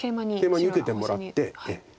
ケイマに受けてもらって。